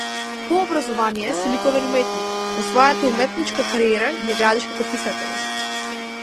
По образование си ликовен уметник, но својата уметничка кариера ја градиш како писател.